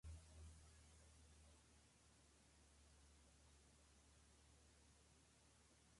Este conjunto está esculpido en pizarra.